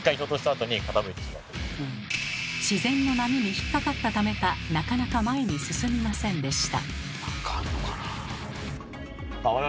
自然の波に引っかかったためかなかなか前に進みませんでした。